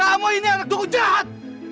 kamu ini anak dukung jahat